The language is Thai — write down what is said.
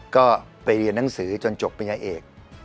ก็ไปเรียนนังสือจนจบเป็นยาเอก